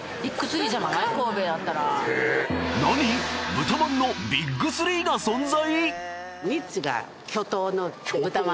豚まんのＢＩＧ３が存在！？